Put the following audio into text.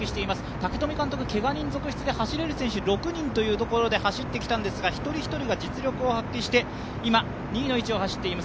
武冨監督、けが人続出で走れる選手６人というところで走ってきたんですが、１人１人が実力を発揮して今２位の位置を走っています。